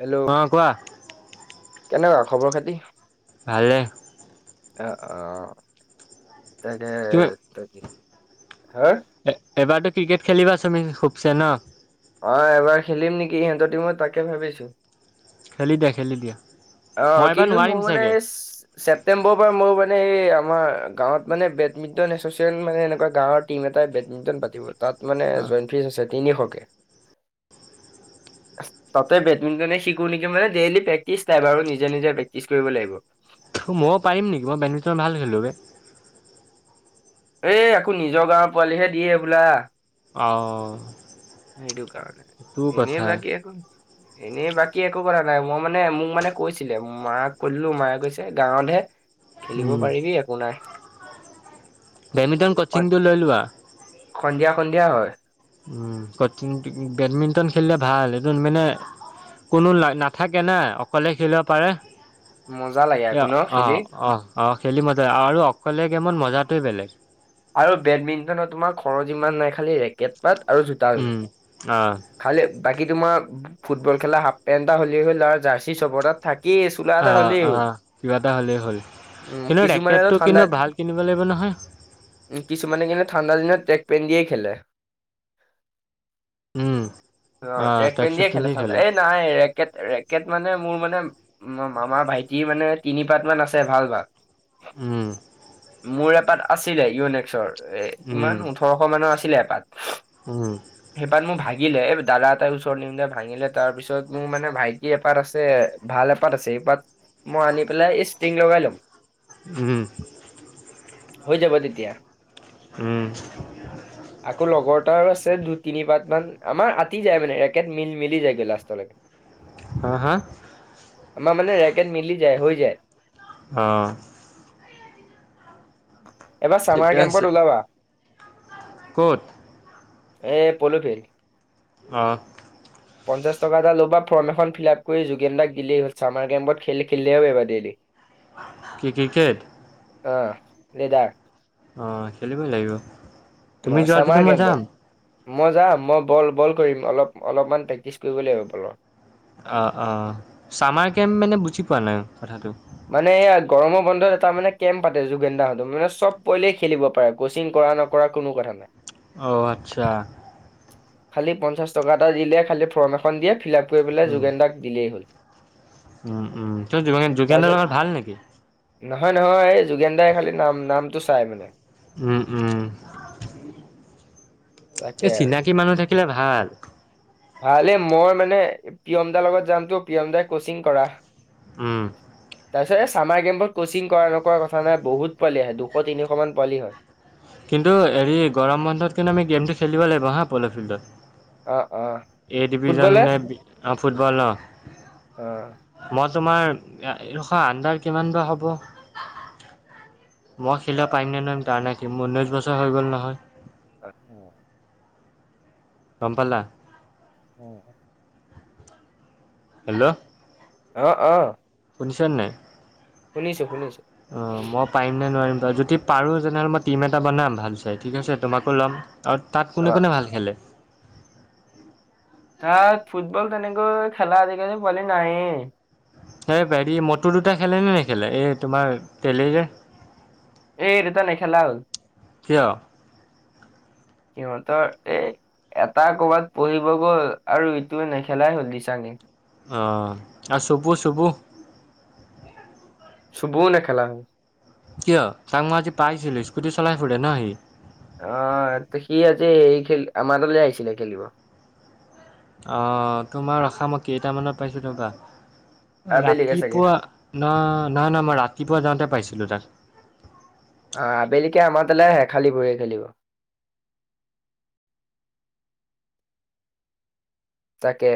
Hello অ কোৱা কেনেকুৱা খবৰ খাতি। ভালে অ অ তাকেহে এবাৰো ক্ৰিকেট খেলিবা চুমি খুবচ ন? অঁ এবাৰ খেলিম নেকি ইহঁতৰ টিমত তাকে ভাবিছো। খেলি দিয়া-খেলি দিয়া। অঁ মই এবাৰ কিন্তু মোৰ নোৱাৰিম মানে চাগে ছেপটেম্বৰৰ পৰা মোৰ মানে এই আমাৰ গাঁৱত মানে বেডমিণ্টন এছচিয়েচন মানে এনেকুৱা গাঁৱৰ টিম এ। বেডমিন্টন পাতিব, তাত মানে জইণ্ট ফিজ আছে তিনিশকে। তাতে বেডমিন্টনে শিকো নেকি মানে, ডেইলি প্ৰেক্টিচ এ বাৰু নিজে- নিজে প্ৰেক্টিচ কৰিব লাগিব। মই পাৰিম নেকি, মই বেডমিণ্টন ভাল খেলো বে। এ আকৌ নিজৰ গাঁৱৰ পোৱালিহে দিয়ে সেইবিলাক অঁ সেইটো কাৰণে, এনে বাকী একো এনেই বাকী একো কথা নাই, মই মানে মোক মানে কৈছিলে মাৰাক কলো মায়ে কৈছে গাঁৱতহে খেলিব উম পাৰিবি একো নাই। বেডমিণ্টন সন- কচিংটো লৈ লোৱা। সন্ধিয়া সন্ধিয়া হয়। উম, কচিং বেডমিণ্টন খেলিলে ভাল, সেইটোত মানে কোনো লা নাথাকে না, অকলে খেলিব পাৰে। মজা লাগে এ, আকৌ ন অ খেলি অ। অঁ খেলি মজা আৰু অকলে গেমত মজাটোৱে বেলেগ। আৰু বেডমিণ্টনত তোমাৰ খৰচ ইমান নাই, খালি ৰেকেট পাত আৰু জোতা যোৰ, উম অ খালি বাকী তোমাৰ ফুটবল খেলা হাফপেণ্ট এটা হলেই হ'ল' আৰু জাৰ্চি চবৰ তাত থাক কি চুলা অ এটা হলেই অ হ'ল। কিবা এটা হ'লেই হ'ল উম, কিন্তু কিছুমানেতো ৰেকেটটো কিন্তু ঠাণ্ডা ভাল কিনিব লাগিব নহয় কিছুমানে কিন্তু ঠাণ্ডা দিনত ট্ৰেক পেন দিয়ে খেলে। উম, অঁ আহ ট্ৰেক পেন ট্ৰেকচুট দিয়ে খেলে পিন্ধি চোন, এই নাই ৰেকেট ৰেকেট মানে মোৰ মানে, মামাৰ ভাইটি মানে তিনি পাত মান আছে ভাল ভাল। উম। মোৰ এপাত আছিলে ইউনেক্সৰ এ উম, কিমান ওঠৰশ মানৰ আছিলে এপাত উম, সেইপাত মোৰ ভাই দিলে এই দাদা এটাই ওচৰত নিমিলে ভাঙিলে তাৰ পিছত মোৰ মানে ভাইটি এপাত আছে, ভাল এপাত আছে বাট মই আনি পেলাই এই ষ্টিং লগাই ল'ম। উম। হৈ যাব তেতিয়া, উম, আকৌ লগৰটাৰ আছে দু তিনি পাত মান আমাৰ আতি যায় মানে একে মিল মিলি যায়গৈ লাষ্টলৈকে। হা হা! আমাৰ মানে ৰেকেট মিলি যায় হৈ যায়। অঁ। এইবাৰ চামাৰ ঠিকে আছে, কেম্পত ওলাবা। ক'ত? এ পলো তে। অঁ। পঞ্চাছ টকা এটা ল'বা, ফৰ্ম এখন ফিল আপ কৰি যোগেন দাক দিলেই হল ছামাৰ কেম্পত খেল খেলিলেও এবাৰ ডেইলী। কি ক্ৰিকেট? অঁ [unintelligible] অঁ খেলিবই লাগিব, অ তুমি যোৱাদিনে চামাৰ মই কেম্পত যাম। মই যাম, মই বল বল কৰিম, অলপ অলপমান প্ৰেক্টিচ কৰিব লাগিব বলৰ। অঁ অঁ, চামাৰ কেম্প মানে বুজি পোৱা নাই কথাটো? মানে গৰমৰ বন্ধত এটা মানে কেম্প পাতে যোগেন দাহত মানে চব পোৱালিয়ে খেলিব পাৰে কচিং ক কৰা নকৰা কোনো কথা নাই। অঁ, আচ্ছা। খালি পঞ্চাছ টকা এটা দিলে, খালি ফৰ্ম এখন দিয়ে ফিলাপ কৰিবলে উম, যোগেন দাক দিলে হল। উম উম, তোৰ যুগেন যুগেন দাৰ তাৰপিছত লগত লগত ভাল নেকি? নহয় নহয় এই যোগেন দাই খালি নাম নামটো চাই মানে। উম উম। তাকে এই আৰু। চিনাকী মানুহ থাকিলে ভাল। ভালে, মই মানে প্ৰিয়ম দাৰ লগত যামটো, প্ৰিয়ম দাই কচিং কৰা। উম। তাৰপিছত এ ছামাৰ কেমপত কচিং কৰা নকৰা কথা নাই বহুত পোৱালি আহে দুশ- তিনিশ মান পোৱালি হয়। কিন্তু হেৰি গৰম বন্ধত কিন্তু আমি গেমটো খেলিব লাগিব হা প'ল'ফিল্ডত। অঁ। এই ডিভিজন নে ফুটবল ন অ'। মই তোমাৰ ৰখা, আণ্ডাৰ কিমান বা হ'ব। মই খেলিব পাৰিম নে নোৱাৰি তাৰ নাই কি মোৰ ঊনৈশ বছৰ হৈ গ'ল নহয় আহ গমপালা উম। হেল্ল' অ অ সোনিচানে নাই। শুনিছো শুনিছো অ মই পাৰিম নে নোৱাৰিম? যদি পাৰোঁ তেনেহ'লে মই টিম এটা বনাম ভাল চাই ঠিক আছে তোমাকো ল'ম। আৰু তাত কোনে- অ'। কোনে ভাল খেলে। তাত ফুটবল তেনেকৈ খেলা আজিকালি পোৱালি নাইয়ে। এই বেৰি মটো দুটা খেলেনে নেখেলে এই তোমাৰ তেলেইৰে। এই দুটা নেখেলালা হল। কিয় [unintelligible] সিহঁতৰ এই। এটা কৰবাত পঢ়িব গ'ল আৰু ইটো নেখেলাই হল দিছাঙে অ আৰু চুবু চুবু চুবু নে খেলা হয়। কিয় তাক মই আজি পাইছিলো স্কুটি চলাই ফুৰে ন সি আহ সি আজি এই খেল আমাৰ তালৈ আহিছিলে খেলিব। অঁ তোমাৰ ৰখা মই কেইটামানত পাইছোঁ ৰবা। আবেলিকে চাগে ৰাতিপুৱা নহ নহয় নহয় মই ৰাতিপুৱা যাওঁতে পাইছিলোঁ তাত আহ আবেলিকে আমাৰ তাললে হে খালী ভৰি য়ে দলিব তাকে।